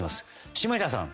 下平さん。